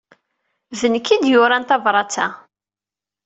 D nekk ay d-yuran tabṛat-a.